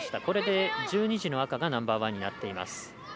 これで１２時の赤がナンバーワンになっています。